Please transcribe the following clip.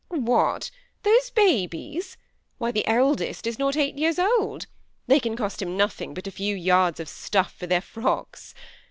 " What ! those babies ? Why the eldest is not eight years old ; they can cost him nothing but a few yards of stuff for their frodks.